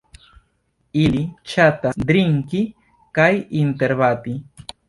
Ili ŝatas drinki kaj interbati.